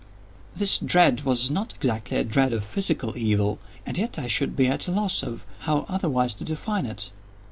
This dread was not exactly a dread of physical evil—and yet I should be at a loss how otherwise to define it.